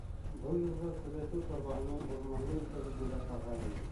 Был йылға Күҙәтеү Торбаһының урманлы итәге буйлап аға ине.